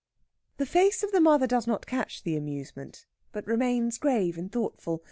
The face of the mother does not catch the amusement, but remains grave and thoughtful.